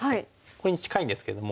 これに近いんですけども。